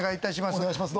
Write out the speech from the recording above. あっお願いします